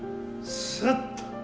すっと。